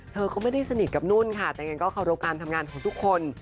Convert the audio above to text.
เธอก็ไม่ได้สนิทกับนุ่นค่ะแต่งั้นก็เคารพการทำงานของทุกคน